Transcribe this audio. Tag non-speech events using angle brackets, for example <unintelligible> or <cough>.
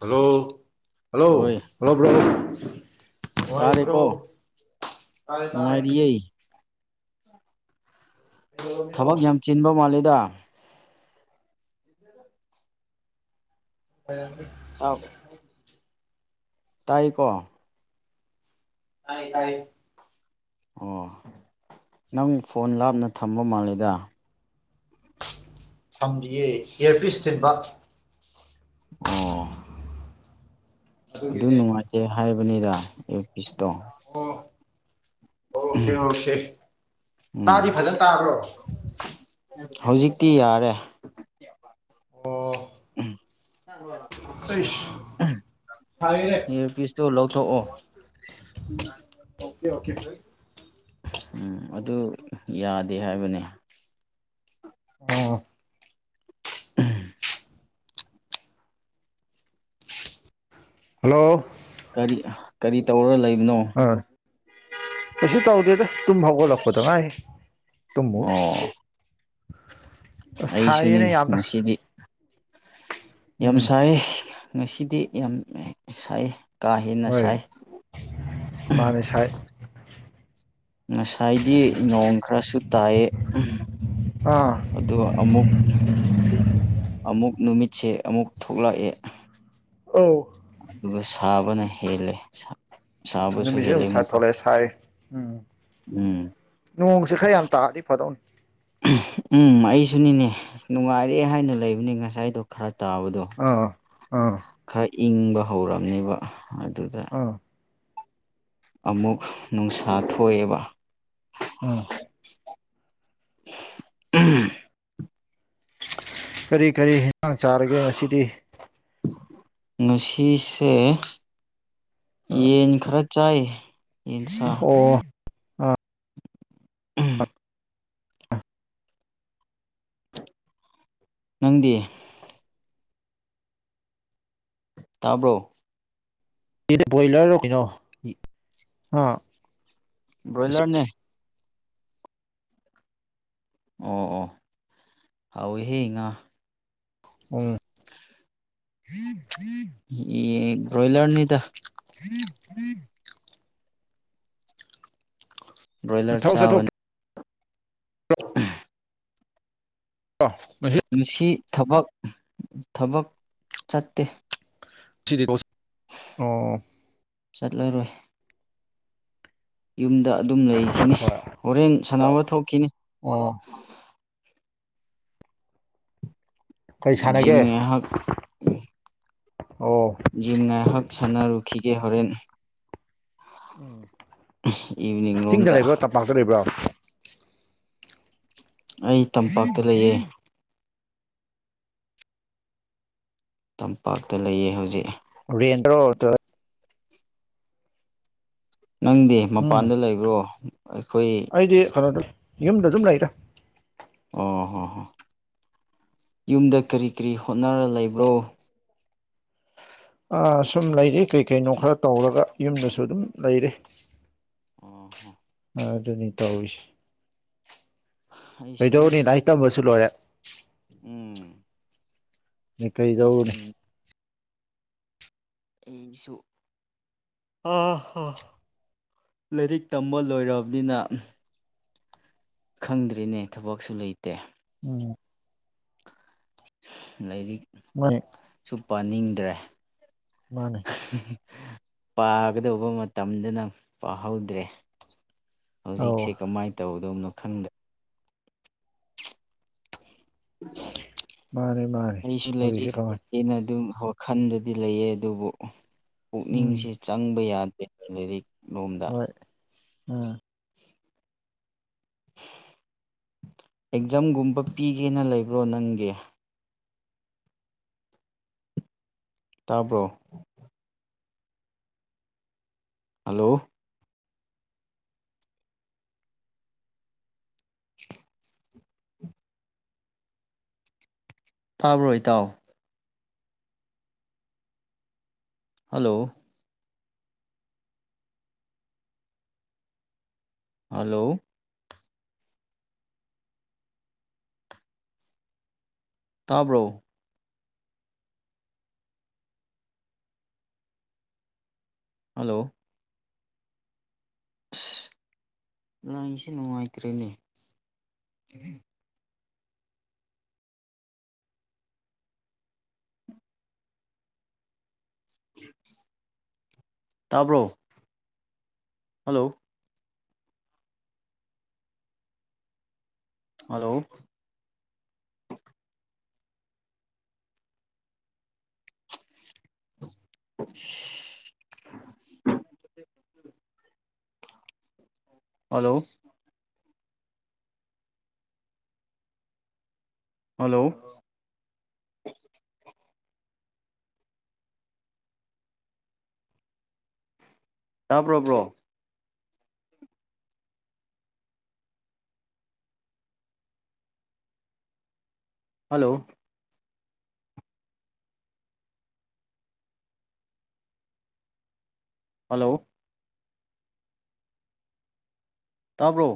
hello hello ꯍꯣꯏ hello bro ꯅꯨꯡꯉꯏꯔꯤꯕ꯭ꯔꯣ ꯇꯥꯔꯦꯀꯣ ꯇꯥꯔꯦ ꯇꯥꯥꯏꯦ ꯅꯨꯡꯉꯥꯏꯔꯤꯌꯦ ꯕ꯭ꯔꯣ ꯊꯕꯛ ꯌꯥꯝ ꯆꯤꯟꯕ ꯃꯥꯂꯦꯗ <inaudible> <unintelligible> ꯇꯥꯏꯀꯣ ꯇꯥꯏ ꯇꯥꯏ ꯑꯣ ꯅꯪ ꯐꯣꯟ ꯂꯥꯞꯅ ꯊꯝꯕ ꯃꯥꯜꯂꯦꯗ ꯊꯝꯒꯤꯒꯦ ꯏꯌꯔꯄꯤꯁ ꯊꯤꯟꯕ ꯑꯣ ꯑꯗꯨ ꯑꯗꯨꯒꯤꯅꯦ ꯅꯨꯡꯉꯥꯏꯇꯦ ꯍꯥꯏꯕꯅꯤꯗ ꯑꯦꯔ ꯄꯤꯁꯇꯣ ꯑꯣ ꯑꯣꯀꯦ ꯑꯣꯀꯦ ꯎꯝ ꯇꯥꯗꯤ ꯐꯖꯅ ꯇꯥꯕ꯭ꯔꯣ ꯍꯧꯖꯤꯛꯇꯤ ꯌꯥꯔꯦ ꯑꯣ <unintelligible> ꯑꯩꯁ ꯁꯥꯏꯌꯦꯅꯦ ꯏꯌꯔꯄꯤꯁꯇꯨ ꯂꯧꯊꯣꯛꯑꯣ ꯑꯣꯀꯦ ꯑꯣꯀꯦ ꯎꯝ ꯑꯗꯨ ꯌꯥꯗꯦ ꯍꯥꯏꯕꯅꯦ ꯑꯣ ꯎꯝ ꯍꯜꯂꯣ ꯀꯔꯤ ꯑꯥ ꯀꯔꯤ ꯇꯧꯔ ꯂꯩꯕꯅꯣ ꯍꯣꯏ ꯀꯩꯁꯨ ꯇꯧꯗꯦꯗ ꯇꯨꯝ ꯍꯧꯒꯠꯂꯛꯄꯗ ꯉꯥꯏꯔꯤ ꯇꯨꯝꯃꯨ ꯑꯣ ꯑꯁ ꯁꯥꯏꯌꯦꯅꯦ ꯑꯩꯁꯨꯅꯤꯅꯦ ꯌꯥꯝꯅ ꯉꯁꯤ ꯌꯥꯝ ꯎꯝ ꯁꯥꯏꯌꯦ ꯉꯁꯤꯗꯤ ꯌꯥꯝ ꯁꯥꯏꯌꯦ ꯀꯥ ꯍꯦꯟꯅ ꯁꯥꯏ ꯃꯥꯅꯦꯁꯥꯏ ꯉꯁꯥꯏꯗꯤ ꯅꯣꯡ ꯈꯔꯁꯨ ꯇꯥꯏ ꯑꯥ ꯑꯗꯣ ꯑꯃꯨꯛ ꯑꯃꯨꯛ ꯅꯨꯃꯤꯠꯁꯦ ꯑꯃꯨꯛ ꯊꯣꯛꯂꯛꯑꯦ ꯑꯣ ꯑꯗꯨꯒ ꯁꯥꯕꯅ ꯍꯦꯜꯂꯦ ꯁꯥ ꯁꯥꯕꯁꯨ ꯅꯨꯃꯤꯠꯁꯦ ꯍꯦꯜꯂꯦ ꯑꯃꯨꯛ ꯑꯃꯨꯛꯀ ꯁꯥꯊꯣꯛꯂꯛꯑꯦ ꯁꯥꯏ ꯎꯝ ꯎꯝ ꯅꯣꯡꯁꯦ ꯈꯔꯌꯥꯝ ꯇꯥꯗꯤ ꯐꯗꯧꯅꯤ ꯎꯝ ꯑꯩꯁꯨꯅꯤꯅꯦ ꯑꯁ ꯅꯨꯡꯉꯥꯏꯔꯦ ꯍꯥꯏꯅ ꯂꯩꯕꯅꯤ ꯉꯁꯥꯏꯗꯣ ꯈꯔ ꯇꯥꯕꯗꯣ ꯑꯥ ꯑꯥ ꯈꯔ ꯏꯪꯕ ꯍꯧꯔꯝꯅꯦꯕ ꯑꯗꯨꯗ ꯑꯥ ꯑꯃꯨꯛ ꯅꯨꯡꯁꯥ ꯊꯣꯛꯑꯦꯕ ꯑꯥ ꯀꯔꯤ ꯀꯔꯤ ꯍꯦꯉꯡ ꯆꯥꯔꯒꯦ ꯉꯁꯤꯗꯤ ꯉꯁꯤꯁꯦ ꯌꯦꯟ ꯈꯔ ꯆꯥꯏ ꯌꯦꯟꯁꯥ ꯑꯣ ꯎꯝ ꯅꯪꯗꯤ ꯇꯥꯕ꯭ꯔꯣ ꯏꯗꯤ ꯕꯣꯏꯂꯔꯔꯣ ꯀꯩꯅꯣ ꯑꯥ ꯕꯔꯣꯏꯂꯔꯅꯦ ꯑꯣ ꯑꯣ ꯍꯥꯎꯋꯤꯍꯦ ꯉꯥ ꯎꯝ <inaudible> ꯌꯦꯟ ꯕ꯭ꯔꯣꯏꯂꯔꯅꯤꯗ ꯕ꯭ꯔꯣꯏꯂꯔ ꯊꯕꯛ ꯆꯥꯕꯅ ꯑ <unintelligible> ꯑꯣ ꯃꯥꯁꯤ <unintelligible> ꯉꯥꯁꯤ ꯊꯕꯛ ꯊꯕꯛ ꯆꯠꯇꯦ ꯊꯤꯔꯤꯀꯣꯁꯤ ꯑꯣ ꯆꯠꯂꯔꯣꯏ ꯌꯨꯝꯗ ꯑꯗꯨꯝ ꯂꯩꯈꯤꯅꯤ ꯍꯣꯏ ꯍꯣꯔꯦꯟ ꯁꯥꯟꯅꯕ ꯊꯣꯛꯈꯤꯅꯤ ꯑꯣ ꯀꯩ ꯖꯤꯝ ꯁꯥꯟꯅꯒꯦ ꯉꯥꯏꯍꯥꯛ ꯑꯣ ꯖꯤꯝ ꯉꯥꯏꯍꯛ ꯁꯥꯟꯅꯔꯨꯈꯤꯒꯦ ꯍꯣꯔꯦꯟ ꯎꯝ <unintelligible> ꯎꯝ ꯌꯦꯅꯤꯡ ꯂꯣꯝꯗ ꯄꯥꯛꯇ ꯂꯩꯕ꯭ꯔꯥ ꯑꯩ ꯇꯝꯄꯥꯛꯇ ꯂꯩꯌꯦ ꯇꯝꯄꯥꯛꯇ ꯂꯩꯌꯦ ꯍꯧꯖꯤꯛ ꯔꯦꯟꯇꯔꯣ ꯅꯥꯠꯇꯔꯥ ꯅꯪꯗꯤ ꯎꯝ ꯃꯄꯥꯟꯗ ꯂꯩꯕ꯭ꯔꯣ ꯑꯩꯈꯣꯏ ꯑꯩꯗꯤ <unintelligible> ꯌꯨꯝꯗ ꯑꯗꯨꯝ ꯂꯩꯗꯥ ꯑꯣ ꯍꯣ ꯍꯣꯏ ꯌꯨꯝꯗ ꯀꯔꯤ ꯀꯔꯤ ꯍꯣꯠꯅꯔ ꯂꯩꯕ꯭ꯔꯣ ꯑ ꯁꯨꯝ ꯂꯩꯔꯤ ꯀꯩ ꯀꯩꯅꯣ ꯈꯔ ꯇꯧꯔꯒ ꯌꯨꯝꯗꯁꯨ ꯑꯗꯨꯝ ꯂꯩꯔꯤ ꯑꯣ ꯍꯣ ꯑꯗꯨꯅꯤ ꯇꯧꯔꯤꯁꯦ ꯑꯩꯁꯨꯅꯤ ꯀꯩꯗꯧꯅꯤ ꯂꯥꯏꯔꯤꯛ ꯇꯝꯕꯁꯨ ꯂꯣꯏꯔꯦ ꯎꯝ ꯃꯤ ꯀꯩꯗꯧꯔꯨꯅꯤ ꯑꯩꯁꯨꯅꯤ ꯑꯩꯁꯨ ꯑ ꯍ ꯂꯥꯏꯔꯤꯛ ꯇꯝꯕ ꯂꯣꯏꯔꯕꯅꯤꯅ ꯈꯪꯗ꯭ꯔꯦꯅꯦ ꯊꯕꯛꯁꯨ ꯂꯩꯇꯦ ꯎꯝ ꯂꯥꯏꯔꯤꯛ ꯃꯅꯤ ꯁꯨ ꯄꯥꯅꯤꯡꯗ꯭ꯔꯦ ꯃꯥꯅꯤ ꯄꯥꯒꯗꯧꯕ ꯃꯇꯝꯗꯅ ꯄꯥꯍꯧꯗꯦ ꯑꯧ ꯍꯧꯖꯤꯛꯁꯦ ꯀꯃꯥꯏ ꯇꯧꯗꯧꯅꯣ ꯈꯪꯗ꯭ꯔꯦ ꯃꯥꯅꯤ ꯃꯥꯅꯤ ꯑꯩꯁꯨ ꯍꯧꯖꯤꯛꯁꯦ ꯂꯥꯏꯔꯤꯛ ꯀꯃꯥꯏ ꯍꯦꯟꯅ ꯑꯗꯨꯝ ꯋꯥꯈꯜꯗꯗꯤ ꯂꯩꯌꯦ ꯑꯗꯨꯕꯨ ꯎꯝ ꯄꯨꯛꯅꯤꯡꯁꯦ ꯆꯪꯕ ꯌꯥꯗꯦ ꯂꯥꯏꯔꯤꯛ ꯂꯣꯝꯗ ꯍꯣꯏ ꯎꯝ ꯑꯦꯛꯖꯥꯝ ꯒꯨꯝꯕ ꯄꯤꯒꯦꯅ ꯂꯩꯕ꯭ꯔꯣ ꯅꯪꯒꯤ ꯇꯥꯕ꯭ꯔꯣ ꯍꯜꯂꯣ ꯇꯥꯕ꯭ꯔꯣ ꯏꯇꯥꯎ ꯍꯜꯂꯣ ꯍꯜꯂꯣ ꯇꯥꯕ꯭ꯔꯣ ꯍꯜꯂꯣ ꯑꯁ ꯂꯥꯏꯟꯁꯦ ꯅꯨꯡꯉꯥꯏꯇ꯭ꯔꯦꯅꯦ ꯇꯥꯕ꯭ꯔꯣ ꯍꯜꯂꯣ ꯍꯜꯂꯣ ꯁꯨꯠ ꯍꯜꯂꯣ ꯍꯜꯂꯣ ꯇꯥꯕ꯭ꯔꯣ ꯕ꯭ꯔꯣ ꯍꯜꯂꯣ ꯍꯜꯂꯣ ꯇꯥꯕ꯭ꯔꯣ